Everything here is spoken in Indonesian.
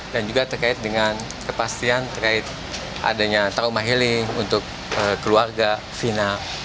dan juga terkait dengan kepastian terkait adanya taruh mahiling untuk keluarga vina